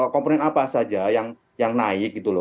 komponen apa saja yang naik gitu loh